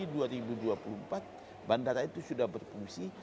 masya allah juli dua ribu dua puluh empat bandara itu sudah berfungsi